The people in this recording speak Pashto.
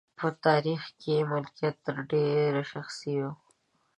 په تاریخ کې مالکیت تر ډېره شخصي و.